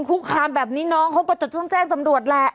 คุกคามแบบนี้น้องเขาก็จะต้องแจ้งตำรวจแหละ